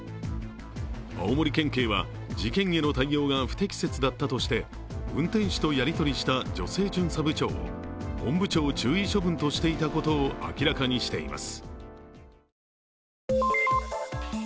青森県警は事件への対応が不適切だったとして運転手とやり取りした女性巡査部長を本部長注意処分としていたことを明らかにしています。